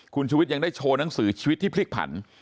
คุณชุวิตยังได้โชว์หนังสือชีวิตที่พลิกผัน